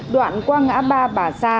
đoạn qua ngã ba bà sa